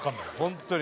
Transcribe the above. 本当に。